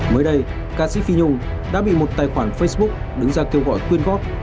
mới đây ca sĩ phi nhung đã bị một tài khoản facebook đứng ra kêu gọi quyên góp